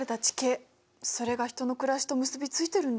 それが人の暮らしと結びついてるんですね。